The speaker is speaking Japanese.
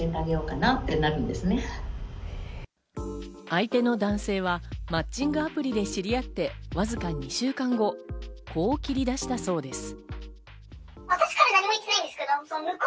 相手の男性はマッチングアプリで知り合って、わずか２週間後、こう切り出したそうです。